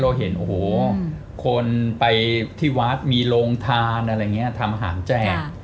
เห็นโอ้โหคนไปที่วัดมีโรงทานอะไรอย่างนี้ทำหางแจก